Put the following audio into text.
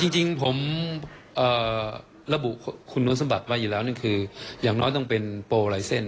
จริงผมระบุคุณสมบัติไว้อยู่แล้วนี่คืออย่างน้อยต้องเป็นโปรไลเซ็นต์